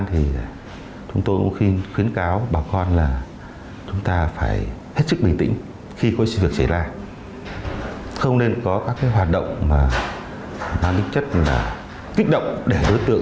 hô hào bảo con nối xóm hỗ trợ